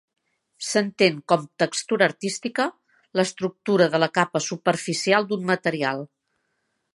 S'entén com textura artística, l'estructura de la capa superficial d'un material.